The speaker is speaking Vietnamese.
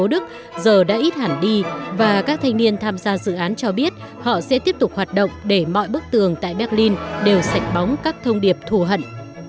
đức giờ đã ít hẳn đi và các thanh niên tham gia dự án cho biết họ sẽ tiếp tục hoạt động để mọi bức tường tại berlin đều sạch bóng các thông điệp thù hận